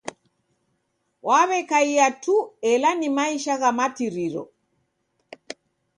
Waw'ekaia tu ela ni maisha gha matiriro.